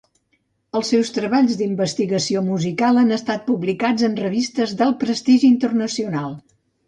Els seus treballs d'investigació musical han estat publicats en revistes d'alt prestigi internacional.